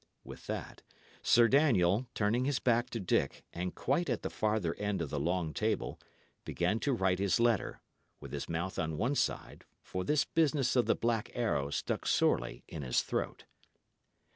With that, Sir Daniel, turning his back to Dick, and quite at the farther end of the long table, began to write his letter, with his mouth on one side, for this business of the Black Arrow stuck sorely in his throat.